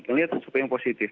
melihat sesuatu yang positif